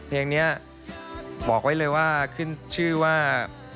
เพลงนี้ขึ้นชื่อว่า